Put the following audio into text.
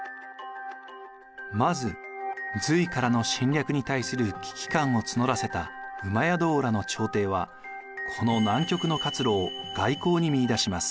まず隋からの侵略に対する危機感を募らせた戸王らの朝廷はこの難局の活路を外交に見いだします。